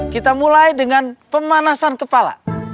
kita mulai dengan pemanasan kepala